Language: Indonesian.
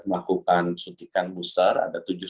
melakukan suntikan booster ada